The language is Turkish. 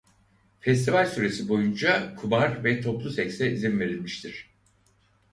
Festival süresi boyunca Kumar ve toplu seks'e izin verilmiştir.